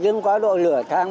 chứ không có độ lửa tháng